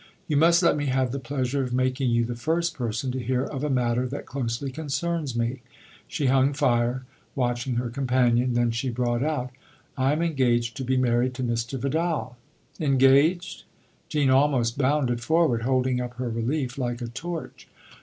" You must let me have the pleasure of making you the first person to hear of a matter that closely corfcerns me." She hung fire, watching her companion ; then she brought out :" I'm engaged to be married to Mr. Vidal." " Engaged ?" Jean almost bounded forward, holding up her relief like a torch.